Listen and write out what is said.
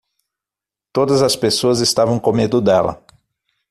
Todas as pessoas estavam com medo dela.